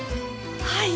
はい。